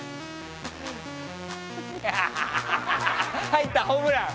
入った、ホームラン！